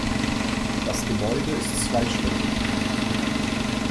Das Gebäude ist zweistöckig.